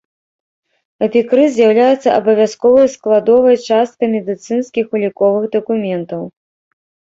Эпікрыз з'яўляецца абавязковай складовай часткай медыцынскіх уліковых дакументаў.